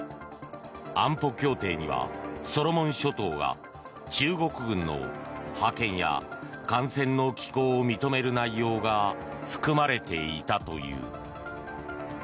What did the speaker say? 安保協定にはソロモン諸島が中国軍の派遣や艦船の寄港を認める内容が含まれていたという。